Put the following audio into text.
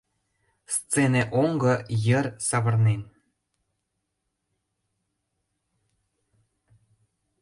Сцене оҥго йыр савырнен.